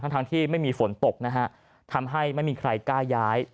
ทั้งที่ไม่มีฝนตกนะฮะทำให้ไม่มีใครกล้าย้าย